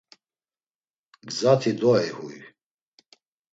Gzati doey huy.